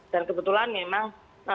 dan kebetulan memang